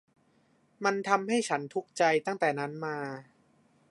มันทำให้ฉันทุกข์ใจตั้งแต่นั้นมา